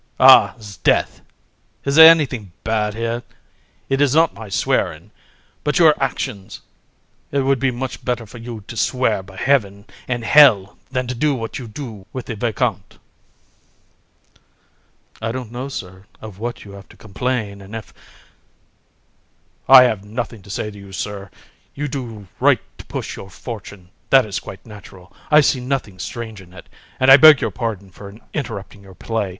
HAR. Ah! 'sdeath! If there is anything bad here, it is not my swearing, but your actions; and it would be much better for you to swear by heaven and hell than to do what you do with the viscount. VISC. I don't know, Sir, of what you have to complain; and if ... HAR. (to the VISCOUNT). I have nothing to say to you, Sir; you do right to push your fortune; that is quite natural; I see nothing strange in it, and I beg your pardon for interrupting your play.